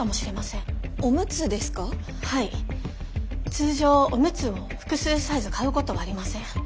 通常オムツを複数サイズ買うことはありません。